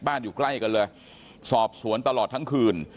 อยู่ใกล้กันเลยสอบสวนตลอดทั้งคืน